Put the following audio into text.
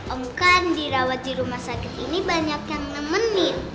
om kan dirawat di rumah sakit ini banyak yang nemenin